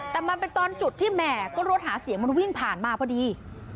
แต่มันเป็นตอนจุดที่แหม่ก็รถหาเสียงมันวิ่งผ่านมาพอดี